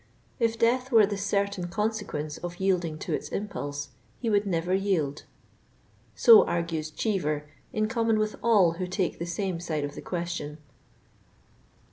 If death were the certain conse quence of yielding to its impulse, he would never yield. So argues Cheever, in common with all who take the same side of the question.